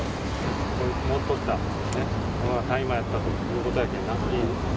持っとった、大麻やったということやけんな。